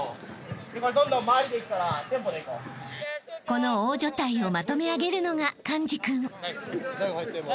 ［この大所帯をまとめ上げるのが寛治君］